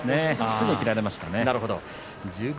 すぐに切られました。